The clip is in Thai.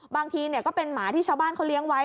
บางทีก็เป็นหมาที่ชาวบ้านเขาเลี้ยงไว้